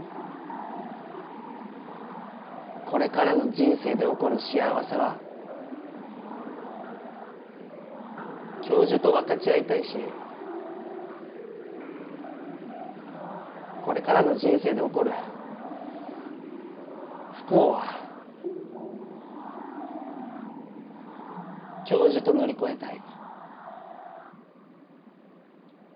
これからの人生で起こる幸せは教授と分かち合いたいしこれからの人生で起こる不幸は教授と乗り越えたい。